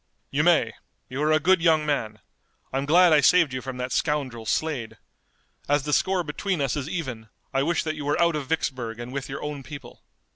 "You may. You are a good young man. I'm glad I saved you from that scoundrel, Slade. As the score between us is even I wish that you were out of Vicksburg and with your own people."